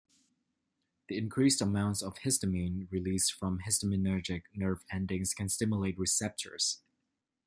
The increased amounts of histamine released from histaminergic nerve endings can stimulate receptors.